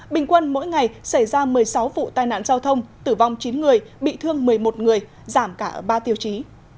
bình quân mỗi ngày xảy ra một mươi sáu vụ tai nạn giao thông tử vong chín người bị thương một mươi một người giảm cả ở ba tiêu chí